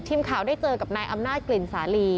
ทีมข่าวได้เจอกับนายอำนาจกลิ่นสาลี